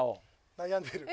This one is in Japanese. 悩んでる。